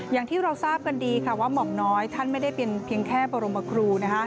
อย่างที่เราทราบดีว่าหม่อมน้อยท่านไม่ได้เป็นเพียงแค่ประโลมครูนะคะ